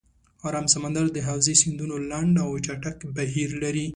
آرام سمندر د حوزې سیندونه لنډ او چټک بهیر لري.